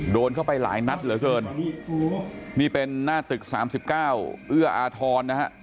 โดนเข้าไปหลายนัดเหลือเกินนี่เป็นหน้าตึก๓๙เอื้ออาทรนะฮะ